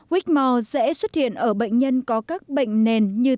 whmore sẽ xuất hiện ở bệnh nhân có các bệnh nền như